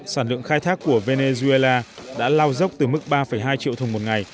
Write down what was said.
sản lượng khai thác của venezuela đã lao dốc từ mức ba hai triệu thùng một ngày